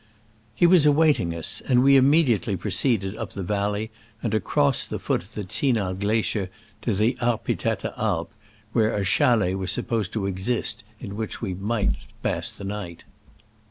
He was awaiting us, and we immedi ately proceeded up the valley and across the foot of the Zinal glacier to the Ar pitetta Alp, where a chalet was supposed to exist in which we might pass the night.